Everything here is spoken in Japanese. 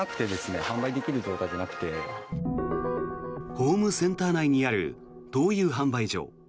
ホームセンター内にある灯油販売所。